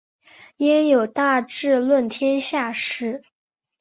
焉有大智论天下事！